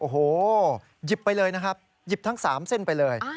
โอ้โหหยิบไปเลยนะครับหยิบทั้ง๓เส้นไปเลย